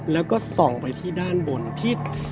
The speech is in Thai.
แล้วก็ส่องไปที่ด้านบนที่